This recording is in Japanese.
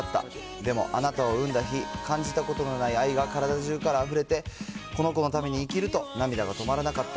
でも、あなたを産んだ日、感じたことのない愛が体中からあふれて、この子のために生きると涙が止まらなかった。